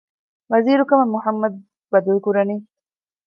ވަޒީރުކަމަށް މުޙައްމަދު ބަދަލުކުރަނީ؟